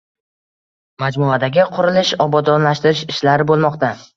Majmuadagi qurilish-obodonlashtirish ishlari bo’lmoqda.